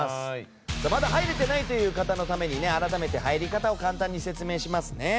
まだ入れてないという方のために改めて入り方を簡単に説明しますね。